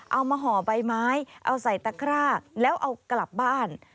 ห่อใบไม้เอาใส่ตะคร่าแล้วเอากลับบ้าน